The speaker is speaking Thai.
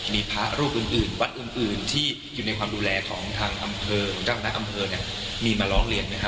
มีพระรูปอื่นวัดอื่นที่อยู่ในความดูแลของทางอำเภอเจ้าคณะอำเภอเนี่ยมีมาร้องเรียนไหมฮ